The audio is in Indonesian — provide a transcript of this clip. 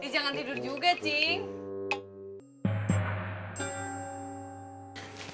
jangan tidur juga cing